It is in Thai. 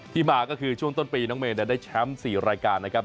มาก็คือช่วงต้นปีน้องเมย์ได้แชมป์๔รายการนะครับ